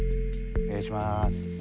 お願いします。